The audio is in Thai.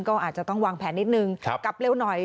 ก็ต้องวางแผนนิดหนึ่งกลับเร็วหน่อย